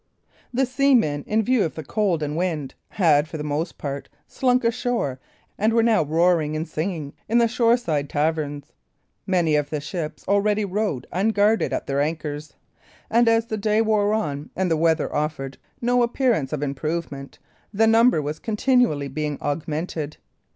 The seamen, in view of the cold and the wind, had for the most part slunk ashore, and were now roaring and singing in the shoreside taverns. Many of the ships already rode unguarded at their anchors; and as the day wore on, and the weather offered no appearance of improvement, the number was continually being augmented.